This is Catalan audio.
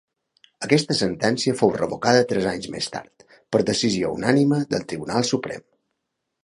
Aquesta sentència fou revocada tres anys més tard, per decisió unànime del Tribunal Suprem.